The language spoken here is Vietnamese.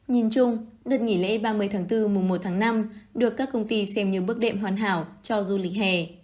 nhìn chung đợt nghỉ lễ ba mươi tháng bốn mùa một tháng năm được các công ty xem như bước đệm hoàn hảo cho du lịch hè